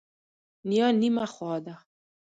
نیا نیمه خوا ده.